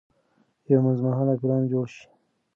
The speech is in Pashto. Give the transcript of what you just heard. یو منځمهاله پلان جوړ شي.